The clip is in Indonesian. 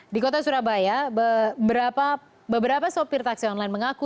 di kota surabaya beberapa sopir taksi online mengaku